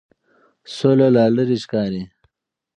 سوله لا لرې ښکاري.